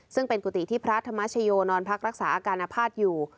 ซึ่งเป็นกุฏิที่พระธรรมชโยนอนพักรักษาอาการอภาษณ์อยู่